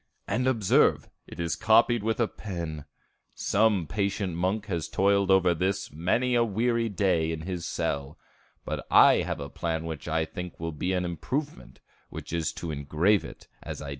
And observe, it is copied with a pen: some patient monk has toiled over this many a weary day in his cell. But I have a plan which I think will be an improvement, which is to engrave it as I did the picture." _Vellum.